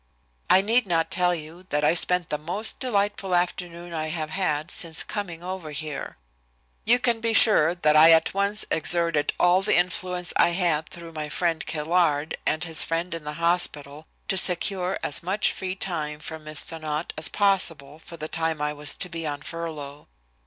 I need not tell you that I spent the most delightful afternoon I have had since coming over here. "You can be sure that I at once exerted all the influence I had through my friend, Caillard, and his friend in the hospital to secure as much free time for Miss Sonnot as possible for the time I was to be on furlough.